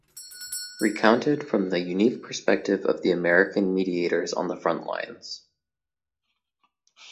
Recounted from the unique perspective of the American mediators on the frontlines.